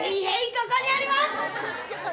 ここにおります！